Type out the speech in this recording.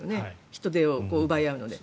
人手を奪い合うので。